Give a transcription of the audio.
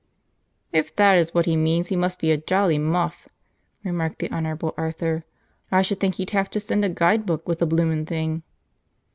"If that is what he means, he must be a jolly muff," remarked the Honourable Arthur. "I should think he'd have to send a guidebook with the bloomin' thing."